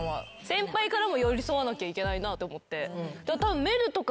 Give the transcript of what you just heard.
先輩からも寄り添わなきゃいけないなって思って。